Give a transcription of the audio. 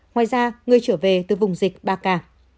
ngoài ra người trở về từ vùng dịch ba k